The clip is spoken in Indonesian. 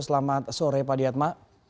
selamat sore pak adiatma